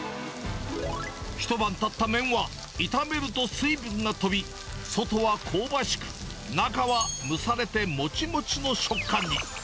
一晩たった麺は、炒めると水分が飛び、外は香ばしく、中は蒸されてもちもちの食感に。